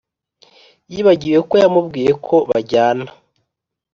yibagiwe ko yamubwiye ko bajyana